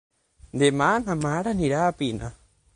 Demà na Mar anirà a Pina.